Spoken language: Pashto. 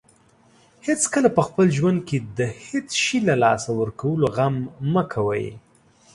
هیڅکله په خپل ژوند کې د هیڅ شی له لاسه ورکولو غم مه کوئ.